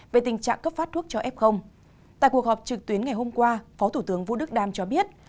về tình trạng cấp phát thuốc cho f tại cuộc họp trực tuyến ngày hôm qua phó thủ tướng vũ đức đam cho biết